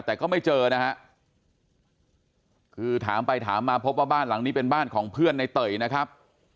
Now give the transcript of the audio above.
แต่ก็ไม่เจอนะฮะคือถามไปถามมาพบว่าบ้านหลังนี้เป็นบ้านของเพื่อนในเตยนะครับ